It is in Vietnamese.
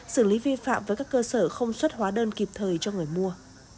xử lý vi phạm với các cơ sở không xuất hóa đơn kịp thời cho người mua